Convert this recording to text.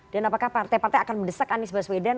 dan apakah partai partai akan mendesak anies baswedan